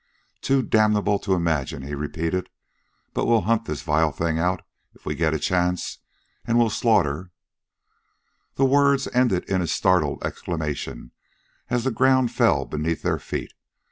"Too damnable to imagine!" he repeated. "But we'll hunt the vile thing out if we get a chance, and we'll slaughter " The words ended in a startled exclamation as the ground fell beneath their feet.